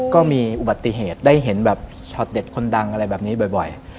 ก็มีอุบัติเหตุได้เห็นแบบช็อตเด็ดคนดังอะไรแบบนี้บ่อย